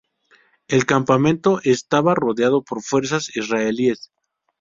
El campamento estaba rodeado por fuerzas israelíes.